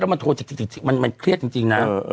แล้วมันโทรจิกจริงนะ